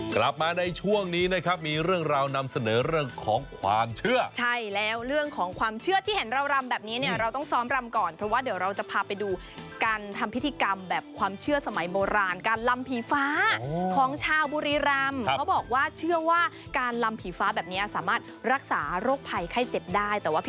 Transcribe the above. กลับมาในช่วงนี้นะครับมีเรื่องราวนำเสนอเรื่องของความเชื่อใช่แล้วเรื่องของความเชื่อที่เห็นเรารำแบบนี้เนี่ยเราต้องซ้อมรำก่อนเพราะว่าเดี๋ยวเราจะพาไปดูการทำพิธีกรรมแบบความเชื่อสมัยโบราณการลำผีฟ้าของชาวบุรีรำเขาบอกว่าเชื่อว่าการลำผีฟ้าแบบนี้สามารถรักษาโรคภัยไข้เจ็บได้แต่ว่าพิ